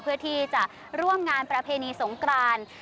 เพื่อที่จะร่วมงานประเพณีสงกราน